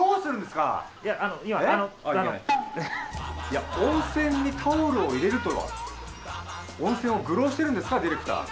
いや温泉にタオルを入れるとは温泉を愚弄してるんですかディレクター！